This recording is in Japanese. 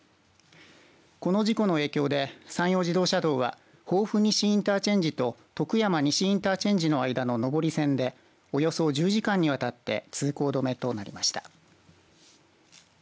この事故の影響で山陽自動車道は防府西インターチェンジと徳山西インターチェンジの間の上り線でおよそ１０時間にわたって通行止めとなりました。